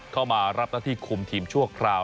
เข้ามารับหน้าที่คุมทีมชั่วคราว